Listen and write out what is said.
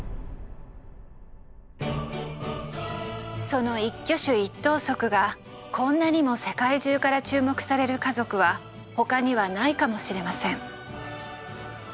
その一挙手一投足がこんなにも世界中から注目される家族は他にはないかもしれません。